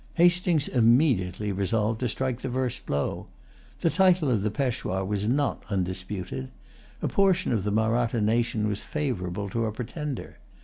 Hastings immediately resolved to strike the first blow. The title of the Peshwa was not undisputed. A portion of the Mahratta nation was favorable to a pretender.